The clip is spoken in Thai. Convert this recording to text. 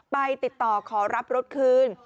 ไปติดต่อขอรับรถคืน